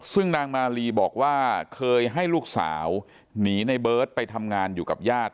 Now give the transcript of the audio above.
ซึ่งนางมาลีบอกว่าเคยให้ลูกสาวหนีในเบิร์ตไปทำงานอยู่กับญาติ